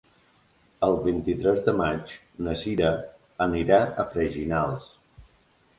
El vint-i-tres de maig na Cira anirà a Freginals.